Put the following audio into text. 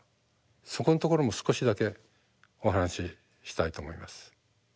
そこのところも少しだけお話ししたいと思います。